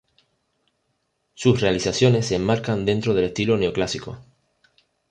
Sus realizaciones se enmarcan dentro del estilo neoclásico.